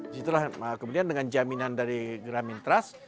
di situlah kemudian dengan jaminan dari grameen trust